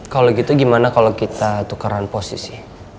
kalau gitu gimana kalau kita tukaran posisi